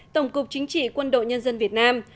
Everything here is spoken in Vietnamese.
tổng cục chính trị quân đội nhân dân việt nam